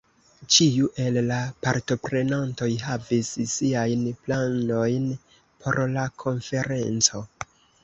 Ĉiu el la partoprenantoj havis siajn planojn por la konferenco.